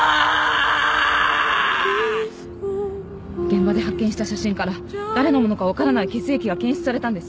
現場で発見した写真から誰のものか分からない血液が検出されたんです。